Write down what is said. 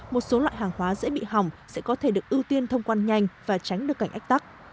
một số loại hàng hóa dễ bị hỏng sẽ có thể được ưu tiên thông quan nhanh và tránh được cảnh ách tắc